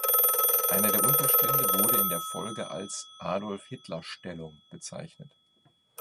Einer der Unterstände wurde in der Folge als „Adolf-Hitler-Stellung“ bezeichnet.